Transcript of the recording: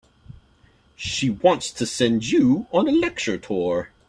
She wants to send you on a lecture tour.